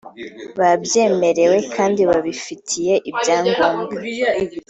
babyemerewe kandi babifitiye ibyangombwa